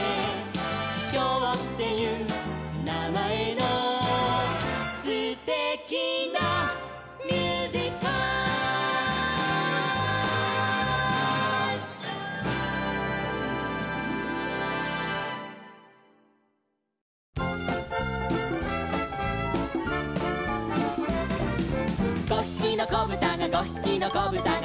「きょうっていうなまえのすてきなミュージカル」「５ひきのこぶたが５ひきのこぶたが」